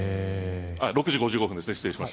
６時５５分です。